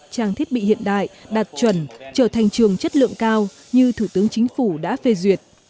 trang thiết bị hiện đại đạt chuẩn trở thành trường chất lượng cao như thủ tướng chính phủ đã phê duyệt